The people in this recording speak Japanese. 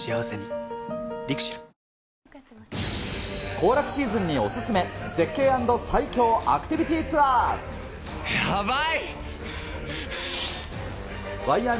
行楽シーズンにお勧め、絶景＆最恐アクティビティーツアー。